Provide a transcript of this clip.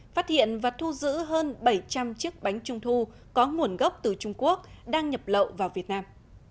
phát hiện và thu giữ hơn bảy trăm linh chiếc bánh trung thu có nguồn gốc từ trung quốc đang nhập lậu vào việt nam